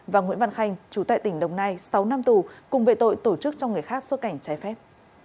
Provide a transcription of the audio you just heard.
và nguyễn văn khanh trú tại tỉnh đồng nai sáu năm tù cùng vệ tội tổ chức trong người khác xuất cảnh trái phép